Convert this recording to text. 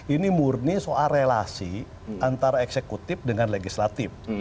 ini murni soal relasi antara eksekutif dengan legislatif